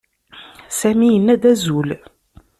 Sami yenna-d azul.